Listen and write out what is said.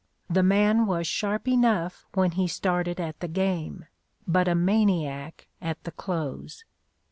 The man was sharp enough when he started at the game, but a maniac at the close.